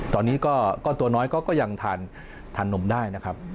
ตอนนี้ก็ตัวน้อยก็ยังทานนมได้นะครับ